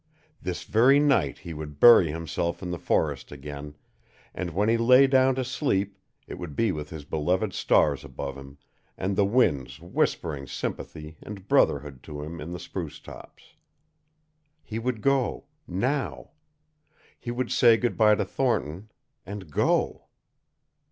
This very night he would bury himself in the forest again, and when he lay down to sleep it would be with his beloved stars above him, and the winds whispering sympathy and brotherhood to him in the spruce tops. He would go NOW. He would say good by to Thornton and GO.